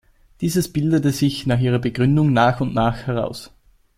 Dieses bildete sich seit ihrer Begründung nach und nach heraus.